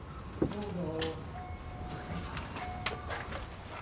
どうぞ。